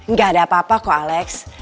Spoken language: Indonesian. nggak ada apa apa kok alex